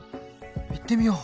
行ってみよう。